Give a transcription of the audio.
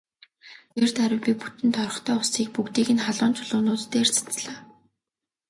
Тэр даруй би бүтэн торхтой усыг бүгдийг нь халуун чулуунууд дээр цацлаа.